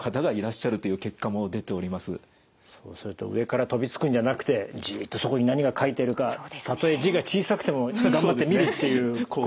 そうすると上から飛びつくんじゃなくてじっとそこに何が書いてるかたとえ字が小さくても頑張って見るっていうことですよね。